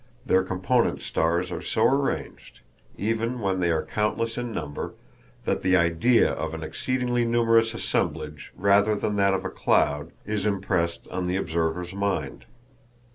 _ their component stars are so arranged, even when they are countless in number, that the idea of an exceedingly numerous assemblage rather than that of a cloud is impressed on the observer's mind.